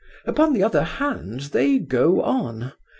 Upon the other hand they go on.